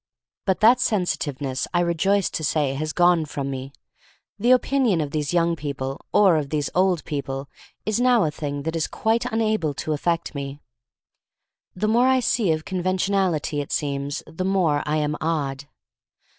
But that sensitiveness, I rejoice to say, has gone from me. The opinion of these young people, or of these old 138 THE STORY OF MARY MAC LANE 1 39 people, is now a thing that is quite un able to affect me. The more I see of conventionality, it seems, the more I am odd.